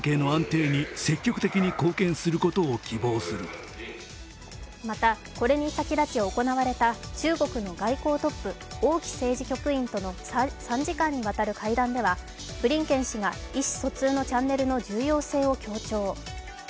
習主席はまた、これに先立ち行われた中国の外交トップ王毅政治局員との３時間にわたる会談ではブリンケン氏が意思疎通のチャンネルの重要性を強調。